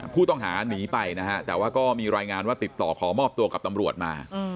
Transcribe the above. ผู้ต้องหาหนีไปนะฮะแต่ว่าก็มีรายงานว่าติดต่อขอมอบตัวกับตำรวจมา